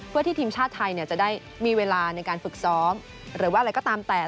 เพื่อที่ทีมชาติไทยจะได้มีเวลาในการฝึกซ้อมหรือว่าอะไรก็ตามแต่